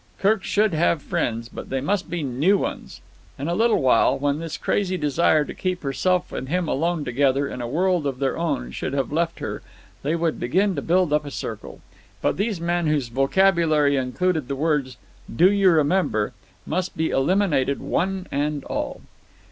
Kirk should have friends, but they must be new ones. In a little while, when this crazy desire to keep herself and him alone together in a world of their own should have left her, they would begin to build up a circle. But these men whose vocabulary included the words "Do you remember?" must be eliminated one and all.